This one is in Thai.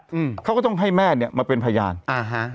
อืมเขาก็ต้องให้แม่เนี้ยมาเป็นพยานอ่าฮะ